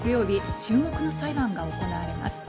注目の裁判が行われます。